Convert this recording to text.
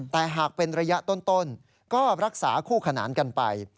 แต่หากเป็นระยะต้นก็รักษาคู่ขนานกันไป